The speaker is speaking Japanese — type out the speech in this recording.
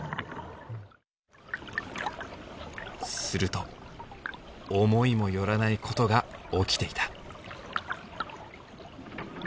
すると思いも寄らないことが起きていた。